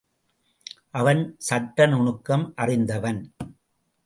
அவன் சட்ட நுணுக்கம் அறிந்தவன்.